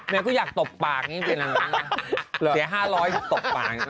แม่ก็อยากตบปากนี่เป็นอะไรนะแสดง๕๐๐ตบปาก